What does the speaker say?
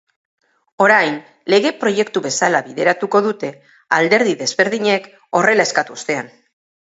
Orain lege proiektu bezala bideratuko dute alderdi ezberdinek horrela eskatu ostean.